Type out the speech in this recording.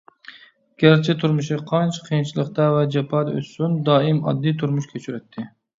گەرچە تۇرمۇشى قانچە قىيىنچىلىقتا ۋە جاپادا ئۆتسۇن، دائىم ئاددىي تۇرمۇش كەچۈرەتتى.